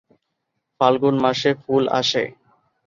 ফাল্গুন মাসে ফুল আসে।